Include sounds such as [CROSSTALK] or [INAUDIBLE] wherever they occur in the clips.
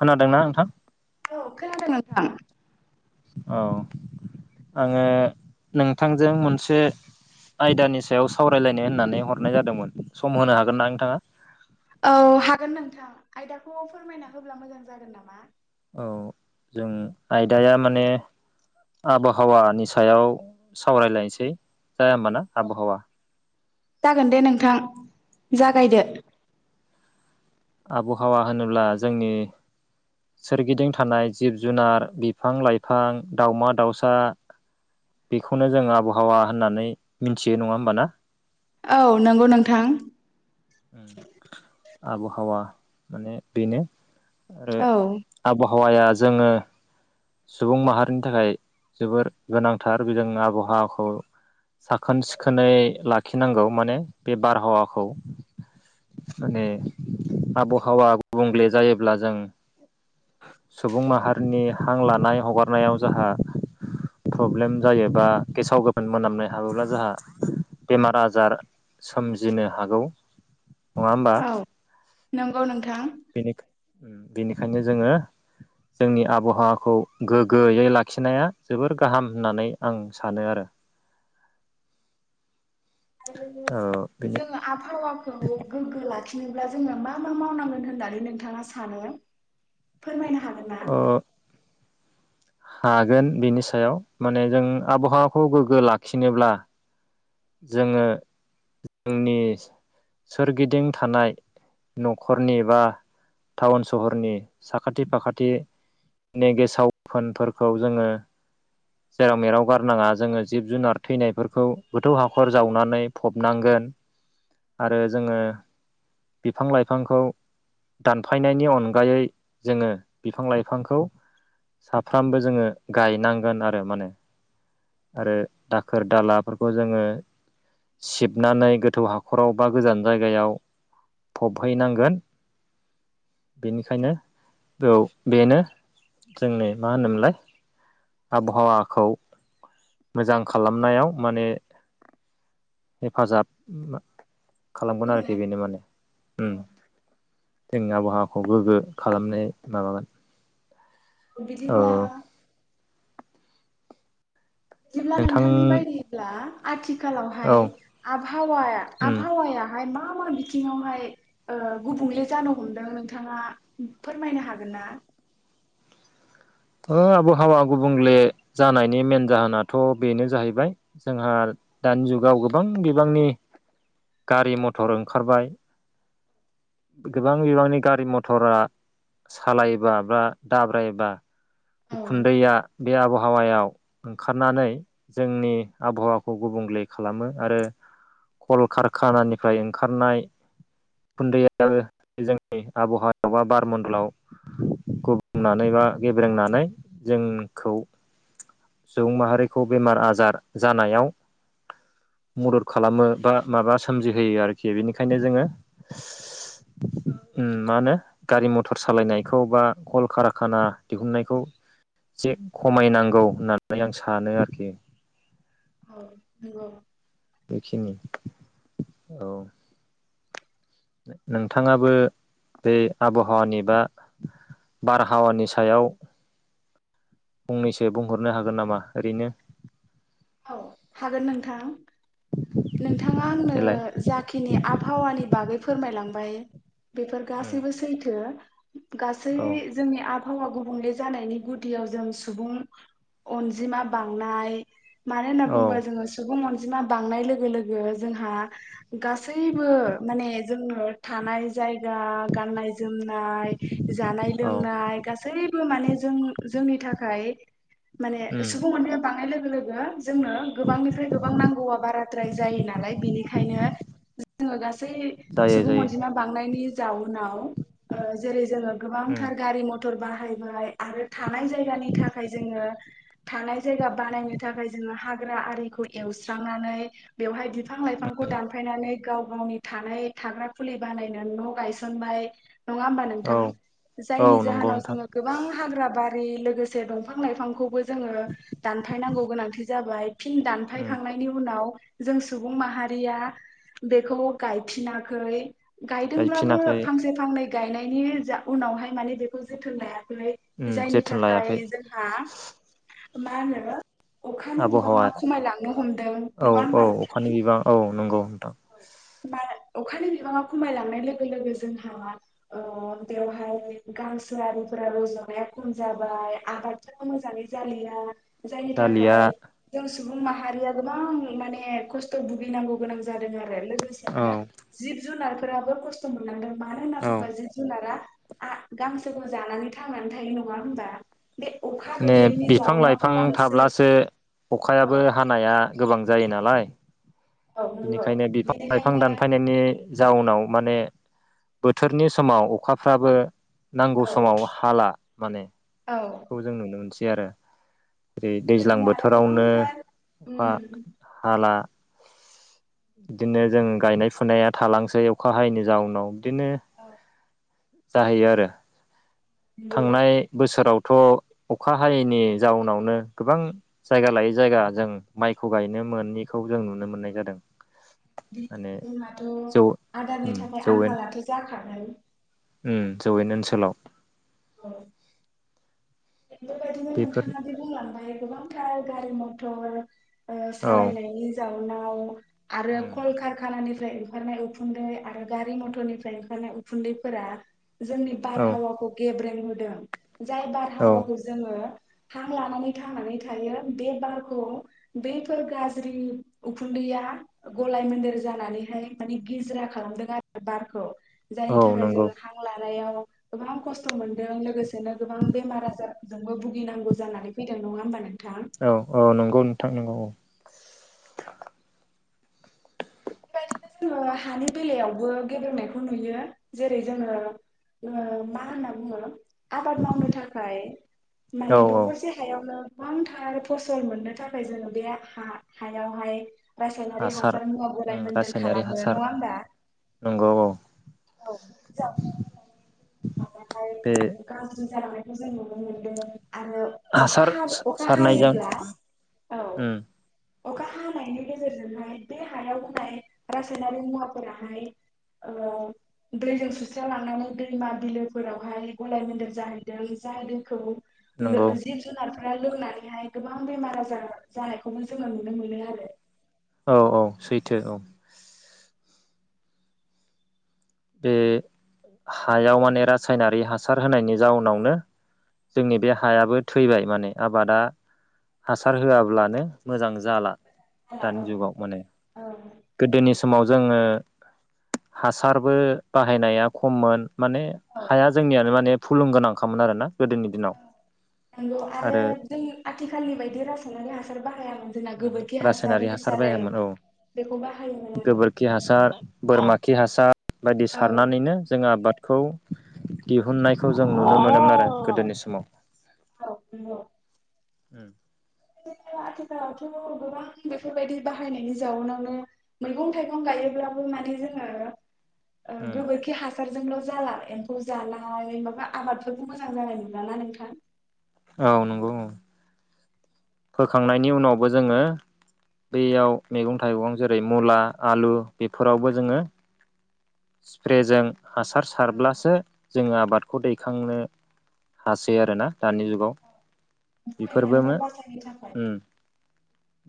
खोनादोंना नोंथां। थां। औ आङो नोंथांजों मोनसे आयदानि सायाव सावरायलायनो होननानै हरनाय जादोंमोन सम होनो हागोन ना नोंथाङा। औ हागोन नोंथां आयदाखौ फोरमायना होब्ला मोजां जागोन नामा। औ जों आयदाया माने आबहावानि सायाव सावरायलायनोसै। जाया होमबाना आबहावा जागोन दे नोंथां जागायदो। आबहावा होनोब्ला जोंनि सोरगिदिं थानाय जिब जुनार बिफां लाइफां दावमा दाउसा बेखौनो जों आबहावा होननानै मिथियो नङा होमबाना। औ नंगौ नोंथां। उम। आबहावा माने बेनो। आरो औ आबहावा हावाया जोङो। सुबुं माहारिनि थाखाय जोबोर गोनांथार जों आबहावाखौ साखोन सिखोनै लाखिनांगौ माने बे बारहावाखौ माने आबहावा गुबुंले जायोब्ला जों। सुबुं माहारिनि हां लानाय हगारनायाव जोंहा प्रब्लेम जायो बा गेसाव गोफोन मोनामनाय हाबोब्ला जोंहा बेमार आजार सोमजिनो हागौ। नङा होमबा औ नंगौ नोंथां बेनि बेनिखायनो जोङो जोंनि आबहावा खौ गोगोयै लाखिनाया जोबोर गाहाम होननानै आं सानो आरो। आरो बेनि जोङो आबहावा [INAUDIBLE] लाखिनोब्ला जोङो मा मा मावनांगोन होननानै नोंथाङा सानो? फोरमायनो हागोन ना? हागोन बिनि सायाव माने जों आबहावाखौ गोग्गो लाखिनोब्ला जोङो जोंनि सोरगिदिं थानाय न'खरनि बा टाउन सहरनि साखाथि फाखाथिनि गेसाव फोनफोरखौ जोङो जेराव मेराव गारनाङा जोङो जिब जुनार थैनायफोरखौ गोथौ हाखर जावनानै फबनांगोन आरो जोङो बिफां लाइफांखौ दानफायनायनि अनगायै जोङो बिफां लाइफांखौ साफ्रामबो जोङो गायनांगोन आरो मा होन आरो दाखोर दालाफोरखौ जोङो सिबनानै गोथौ हाखराव बा गोजान जायगायाव फबहैनांगोन बेनिखायनो बेयाव बेनो जोंनि मा होनोमोनलाय आबहावाखौ मोजां खालामनायाव माने हेफाजाब खालामगोन हागोन आरोखि बेनो माने। हागोन जोंनि आबहावाखौबो गोग्गो खालामनाय माबागोन औ बिदिब्ला बिदिब्ला नोंथां नोंथांनि बायदिब्ला आथि थिखालावहाय औ आबाहावा उम आबहावायाहाय मा मा मा बिथिङावहाय ओ गुबुंले जानो हमदों नोंथाङा फोरमायनो हागोन ना? आबहावा गुबुंले जानायनि मेन जाहोनाथ' बेनो जाहैबाय जोंहा दानि जुगाव गोबां बिबांनि गारि मथर ओंखारबाय गोबां बिबांनि गारि मथरा सालायोबा बा दाब्रायोबा औ उखुन्दैया बे आबहावायाव ओंखारनानै जोंनि आबहावाखौ गुबुंले खालामो आरो कल कारखानानिफ्राय ओंखारनाय खुन्दैआबो जोंनि आबहावायाव बा बारमडलाव गुबुंनानै बा गेब्रेंनानै जोंखौ सुबुं माहारिखौ बेमार आजार जानायाव मदद खालामो बा माबा सोमजिहोयो आरोखि बेनिखायनो जोङो मा होनो गारि मथर सालायनायखौ बा कल खारााखाना दिहुननायखौ जे खमायनांगौ होननानै आं सानो आरोखि। औ नंगौ। बेखिनि औ। नोंथाङाबो बे आबहावानि बा बारहावानि सायाव फंनैसो बुंहरनो हागोन नामा ओरैनो? औ हागोन नोंथां नोंथाङा आंनो देलाय जाखिनि आबहावानि बागै फोरमायलांबाय बेफोर उम गासैबो सैथो। गासै औ जोंनि आ आबहावा गुबुंले जानायनि गुदियाव जों सुबुं अनजिमा बांनाय मानो होनना औ बुङोबा जोङो सुबुं अन मा बांनाय लोगो लोगो जोंहा गासैबो माने जोंनो थानाय जाय या गाननाय जोमनाय जानाय औ लोंनाय गासैबो माने जों जोंनि थाखाय माने उम सुबुं अनाया बांनाय लोग लोगो जोंनो गोबांनिफ्राय गोबां नांगौआ बाराद्राय जायो नालाय बेनिखायनो जोङो गास सै जायो सुबुं जायो अनजिमा बांनायनि जाउ उनाव ओ जेरै जोङो उम गोबांथार गारि मथर बाहा हायबाय आरो थानाय जायगानि थाखाय जोङो थानाय जायगा बानायनो थाखाय ज जोङो हाग्रा आरिखौ एवस्रांनानै बेवहाय बिफां लाइफांखौ दानफायनानै गाव गावनि थानाय थाग्रा खुलि बानायनो न'गायसनबाय। नङा होमबा औ नोंथां? औ जायनि नंगौ जाहोनाव नोंथां जोङो गोबां हाग्रा बार हाय लोगोसे दंफां लाइफांखौबो जोङो दानफाय नांगौ गोनांथि जाबाय फिन उम दानफायखांनायनि उनाव। जों सुबुं माहारिया बेखौ गायफिनाखै। गायदोंब्लाबो गायफिनाखै फांसे फांनै गायनायनि जा उनावहाय माने बेखौ जोथोन लाया [UNINTELLIGIBLE] उम जायनि जोथोन थाखाय लायाखै जोंहा। मा होनो। अखानि आबहावा बिबाङा खमायलांनो हमदों औ नङा औ होमबा अखानि नोंथां? बिबां औ [UNINTELLIGIBLE] मा होनो अखानि बिबाङा खमायलांनाय लोगो लोगो जोंहा ओ बेवहाय गांसो आरिफोरा रज'नाया खम जाबाय आबादफोरा मोजाङै जालिया। जायनि जालिया थाखाय जों स सुबुं माहारिया गोबां माने खस्थ' भुगिनांगौ गोनां जा जादों आर रो औ लोगोसेनो जिब जुनारफोराबो खस्थ' मोनलांदों। मानो होनना औ बुंबा जिब-जुनारा आ गांसोखौ जानानै थांनानै थायो नङा होमबा? बे अखा गोग्लैयैनि [UNINTELLIGIBLE] बिफां जाउनाव लाइफां गांसो थाब्लासो औ अखायाबो हानाया गोबां जायो नालाय। औ नंगौ बिनिखायनो बिफां लाइफां बेनिखायनो दानफायनायनि जाउनाव माने बोथोरनि समाव अखाफ्राबो नांगौ औ समाव हाला माने औ खौ जों नुनो मोनसै बे आरो। ओरै दैज्लां बेबायदिनो आरो बोथोरावनो गोबांथार अखा उम हाला बिदिनो जों गायनाय फुनाया थालांसै अखा हायैनि जाउनाव बिदिनो औ जाहैयो आरो। नंगौ थांनाय बोसोराव थ' अखा हायैनि जाउनावनो गोबां जायगा लायै जायगा जों माइखौ गायनो मोनैखौ जों नुनो मोननाय जादों। बि माने जोंनाथ' जौ आदारनि उम थाखाय आंखालाथ' जाखागोन आरो ओम जौैयेन ओनसोलाव औ। बे बेफोरबायदिनो बेफोर नोंथाङा बे बुंलांबाय गोबांथार गारि मटर ओ औ सालायनायनि जाउनाव नाव आरो कलकारखानि फ्राय ओंखारनाय उखुन्दै आरो गारि मथरनिफ्राय ओंखारनाय उखुन्दैफोरा जोंनि औ बारहावाखौ गेब्रें होबोदों। जाय बारहावा औ खौ जोङो हां लानानै थांनानै थायो बे बारखौ बैफोर गाज्रि उखुन्दैया गलाय मोन्देर जानानैहाय माने गिज्रा खालामदों आरो बारखौ। जायनि औ थाखाय नंगौ जोङो हां लानायाव गोबां खस्थ' मोन दों लोगोसेनो गोबां बेमार आजार जोंबो भुगिनांगौ जानानै फैदों नङा होमबा नों औ औ नंगौ नोंथां नोंगौ औ। बेबायदिनो जोङो हानि बेलायावबो गेब्रेंनायखौ नुयो जेरै जोङो मा होनना बुङो आबाद मावनो थाखाय औ माने औ दखरसे हायावनो गोबांथार फसल मोननो थाखाय जोङो बे हा हायावहाय रासायनारि हासार मुवाफोर उम रासायनारि खालामो नङा हासार होनबा नंगौ औ औ गोबां थार बे रासायनिक हासार बाहायब्ला हाया गाज्रि जालांनायखौ जों नुनो मोनदों आरो अखा हासार हा अखा सारनायजों हायोब्ला औ उम अखा हानायनि गेजेरजोंहाय बे हायाव होनाय रासायनारि मुवाफोराहाय ओ दैजों सुस्रा लांनानै दैमा बिलोफोरावहाय गलाय मेदेर जाहैदों जाय दैखौ जि नंगौ जिब जुनार फोरा लोंनानैहाय गोबां बेमार आजार जानायखौबो जोङो नुनो मोनो आरो औ औ सैथो औ बे हायाव माने रासायनारि हासार होनायनि जाउनावनो जोंनि बे हायाबो थैबाय माने आबादा हासार होआब्लानो मोजां जाला दानि आरो जुगाव माने गोदोनि समाव जोङो हासारबो बाहायनाया खममोन माने हाया जोंनियानो माने फुलुंगोनां खामोन आरो ना गोदोनि दिनाव नंगौ आरो जों आथिखालनि रासायनारि हासार बायामोन औ बेखौ बाहायोमोन आरो गोबोरखि हासार बोरमा खि हासार बायदि औ सारनानैनो जोङो आबाद खौ दिहुननायखौ जों नुनो मोनोम आरो गोदोनि समाव औ नोंगौ। उम। बिदिनो आथिखालावथ' गोबां बेफोरबायदि बाहायनायनि जाउनावनो मैगं थाइगं गायोब्लाबो माने जोङो गोबोरखि हासारजोंल' जाला एम्फौ जानाय माबा आबादफोरखौ मोजां जानाय नंला ना नोंथां? औ नंगौ औ। फोखांनायनि उनावबो जोङो बैयाव मैगं थाइगं जेरै मुला आलु बेफोरबो फरायनायनिफ्राय मो बासायनो थाखाय उम।।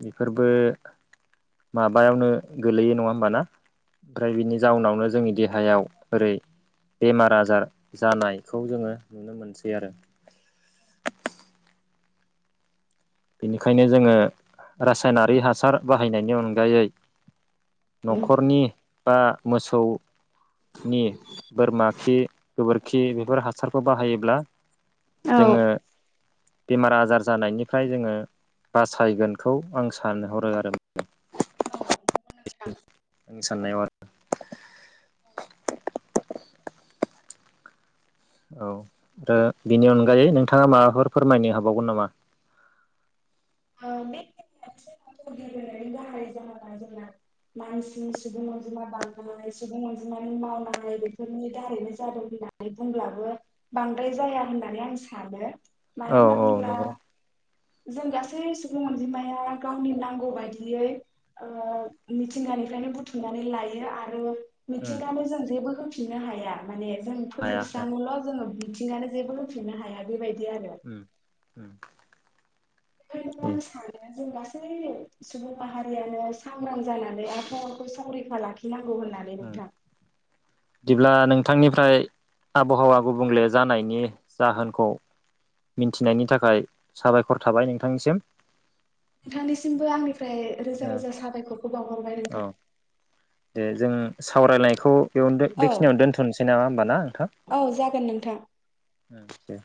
बेफोरबो माबायावनो गोलैयो नङा होमबाना ओमफ्राय बिनि जाउनावनो जोंनि देहायाव ओरै बेमार आजार जानायखौ जोङो नुनो मोनसै आरो बेनिखायनो जोङो रासायनारि हासार बाहायनायनि अनगायै न'खरनि बा मोसौ नि बोरमा खि गोबोरखि बेफोर हासारखौ बाहायोब्ला जोङो बेमार आजार जानायनि फ्राय जोङो बासायगोनखौ आं सानहरो आरो ओ स [UNINTELLIGIBLE] [UNINTELLIGIBLE] [UNINTELLIGIBLE] औ दा बेनि अनगायै नोंथाङा माबाफोर फोरमायनो हाबावगोन नामा? ओ [UNINTELLIGIBLE] मानसिनि सुबुं अनजिमा बांनाय सुबुं अनजिमानि मावनाय बिफोरनि दारैनो जादों होननबाबो बुंब्लाबो बांद्राय जाया होननानै आं सानो मानो औ होनना औ बुङोब्ला नंगौ। जों गासै गासै सुबुं अनजिमाया गावनि नांगौ बायदियै ओ मिथिंगानिफ्रायनो बुथुमनानै लायो आरो उम मिथिंगानो जों जेबो फिननो हाया माने जों हाया हाया फोजोबस्रांङोल' जोङो मिथिंगानो जेबो होफिननो हाया बेबायदि आरो उम उम। [INAUDIBLE] गासै सुबुं माहारियानो सांग्रां जानानै आबहावाखौ संरैखा लाखिनांगौ। होननानै उम नोंथां। बिदिब्ला नोंथांनिफ्राय आबहावा गुबुंले जानायनि जाहोनखौ मिन्थिनायनि थाखाय साबायखर थाबाय नोंथांनिसिम नोंथांनिसिमबो आंनि फ्राय रोजा ओ रोजा साबायखरखौ बावहरबाय औ नोंथां खौ। बेयावनो औ बेखिनियावनो दोन्थ'नोसै नामा होमब ना नोंथां औ जागोन नोंथां दे।